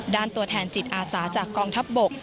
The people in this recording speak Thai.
ตัวแทนจิตอาสาจากกองทัพบก